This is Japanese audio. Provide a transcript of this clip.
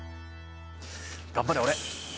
頑張れ俺！